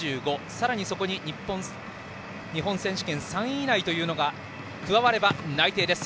さらにそこに日本選手権３位以内というのが加われば内定です。